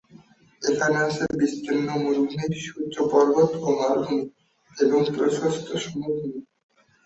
এখানে আছে বিস্তীর্ণ মরুভূমি, সুউচ্চ পর্বত ও মালভূমি, এবং প্রশস্ত সমভূমি।